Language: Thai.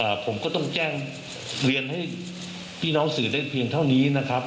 ผมก็ต้องแจ้งเรียนให้พี่น้องสื่อได้เพียงเท่านี้นะครับ